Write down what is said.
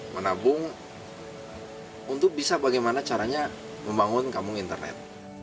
menabung untuk bisa bagaimana caranya membangun kampung internet